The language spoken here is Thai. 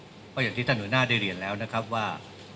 เพราะอย่างที่ท่านหัวหน้าได้เรียนแล้วนะครับว่า